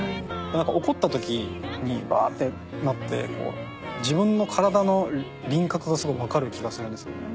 なんか怒ったときにバッてなって自分の体の輪郭がすごいわかる気がするんですよね。